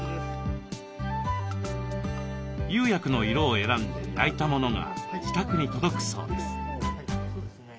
釉薬の色を選んで焼いたものが自宅に届くそうです。